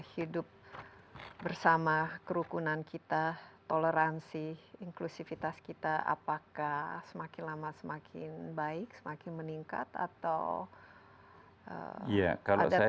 hidup bersama kerukunan kita toleransi inklusifitas kita apakah semakin lama semakin baik semakin meningkat atau ada dalam titik khawatir